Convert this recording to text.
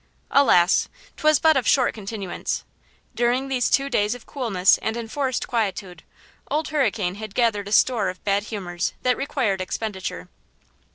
Alas! 'twas but of short continuance. During these two days of coolness and enforced quietude Old Hurricane had gathered a store of bad humors that required expenditure.